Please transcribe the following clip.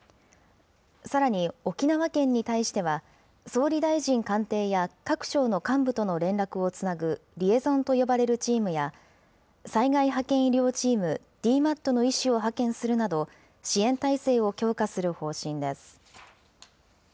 さらに、沖縄県に対しては、総理大臣官邸や各省の幹部との連絡をつなぐリエゾンと呼ばれるチームや、災害派遣医療チーム・ＤＭＡＴの医師を派遣するなど、支援体制を強化する方針です。